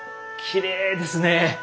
きれいですねえ。